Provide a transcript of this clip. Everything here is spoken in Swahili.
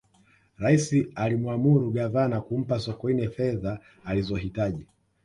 raisi alimwamuru gavana kumpa sokoine fedha alizohitaji